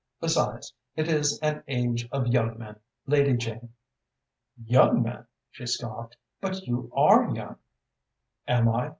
Besides, it is an age of young men, Lady Jane." "Young men!" she scoffed. "But you are young." "Am I?"